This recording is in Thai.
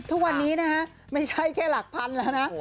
ทุกวันนี้นะฮะไม่ใช่แค่หลักพันแล้วนะ